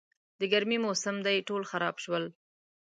د ګرمي موسم دی، ټول خراب شول.